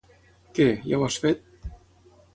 Què, ja ho has fet?